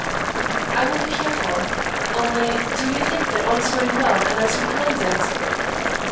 "I will be careful; only do you think that all is going well and as we planned it?"